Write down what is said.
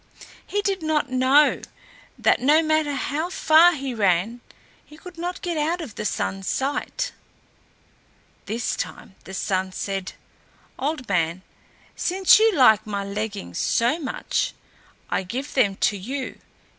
He did not know that, no matter how far he ran, he could not get out of the Sun's sight. This time the Sun said, "Old Man, since you like my leggings so much, I give them to you.